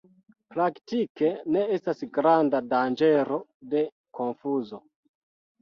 Praktike ne estas granda danĝero de konfuzo.